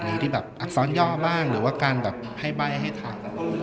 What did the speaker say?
มีอักษรย่อบ้างหรือว่าการให้ใบ้ให้ถาม